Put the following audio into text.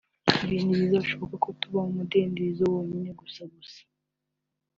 ibi ntibizashoboka ko tuba mu mudendezo wonyine gusa gusa